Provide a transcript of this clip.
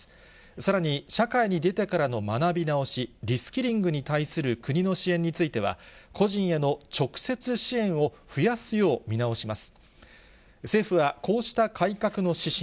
さらに社会に出てからの学び直し、リスキリングに対する国の支援については、個人への直接支援を増やすよう見直します。